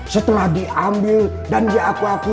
setelah diambil dan diaku aku